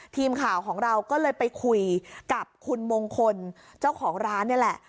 ทีมข่าวของเราก็เลยไปคุยกับคุณมงคลเจ้าของร้านนี่แหละ